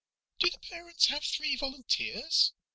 "Do the parents have three volunteers?"